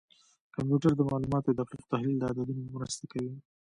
کمپیوټر د معلوماتو دقیق تحلیل د عددونو په مرسته کوي.